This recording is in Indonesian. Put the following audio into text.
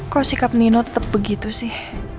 kok sikap nino tetap begitu sih